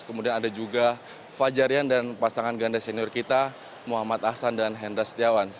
kemudian ada juga fajar rian dan pasangan ganda senior kita muhammad ahsan dan hendra setiawan